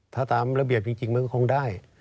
ถ้าตามระเบียบจริงมันก็คงได้